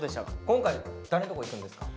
今回誰んとこ行くんですか？